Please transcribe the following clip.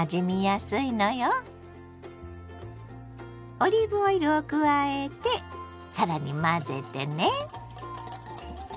オリーブオイルを加えて更に混ぜてね。